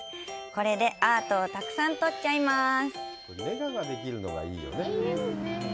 これでアートをたくさん撮っちゃいます！